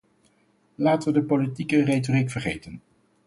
Laten we de politieke retoriek vergeten.